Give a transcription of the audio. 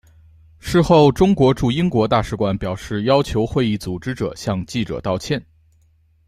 事后中国驻英国大使馆表示要求会议组织者向记者道歉。